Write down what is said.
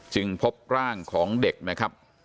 พบร่างของเด็กนะครับ